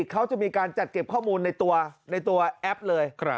เขาจะมีการจัดเก็บข้อมูลในตัวแอปเลย